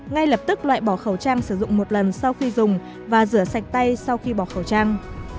ngay lập tức loại bỏ khẩu trang sử dụng một lần sau khi dùng và rửa sạch tay sau khi bỏ khẩu trang